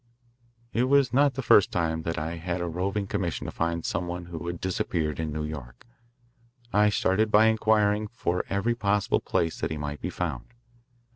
It was not the first time that I had had a roving commission to find some one who had disappeared in New York. I started by inquiring for every possible place that he might be found.